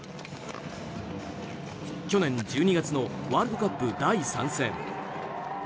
去年１２月のワールドカップ第３戦。